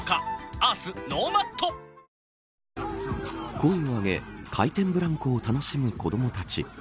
声を上げ、回転ブランコを楽しむ子どもたち。